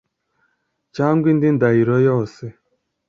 cyangwa indi ndahiro yose